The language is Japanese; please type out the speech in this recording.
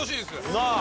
なあ。